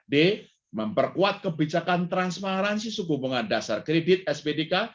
d memperkuat kebijakan transparansi suku bunga dasar kredit spdk